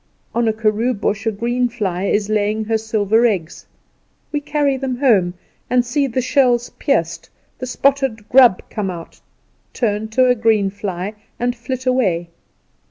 On a karoo bush a green fly is laying her silver eggs. We carry them home, and see the shells pierced, the spotted grub come out, turn to a green fly, and flit away.